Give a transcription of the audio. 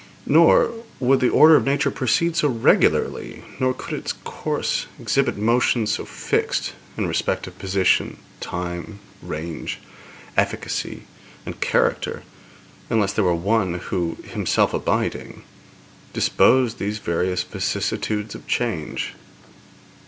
Nor would the order of nature proceed so regularly, nor could its course exhibit motions so fixed in respect of position, time, range, efficacy, and character, unless there were One who, Himself abiding, disposed these various vicissitudes of change.